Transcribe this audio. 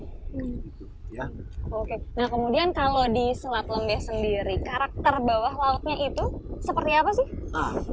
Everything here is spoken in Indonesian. nah kemudian kalau di selat lembeh sendiri karakter bawah lautnya itu seperti apa sih